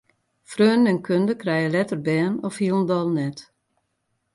Freonen en kunde krije letter bern of hielendal net.